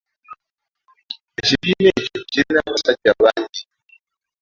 Ekibiina ekyo kirina abasajja bangi.